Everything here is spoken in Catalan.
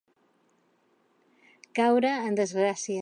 Caure en desgràcia.